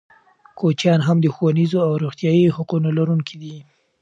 کوچیان هم د ښوونیزو او روغتیايي حقونو لرونکي دي.